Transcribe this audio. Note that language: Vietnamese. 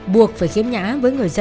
buộc phải khiếm nhã với người dân